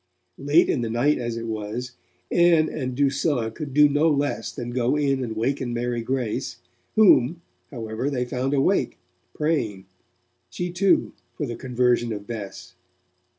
Late in the night as it was, Ann and Drusilla could do no less than go in and waken Mary Grace, whom, however, they found awake, praying, she too, for the conversion of Bess.